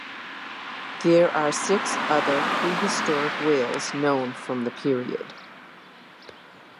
There are six other prehistoric whales known from the period.